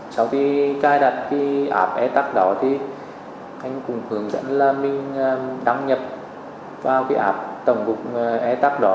sau khi cài đặt cái ảp e tac đó thì anh cũng hướng dẫn là mình đăng nhập vào cái ảp tổng cục e tac đó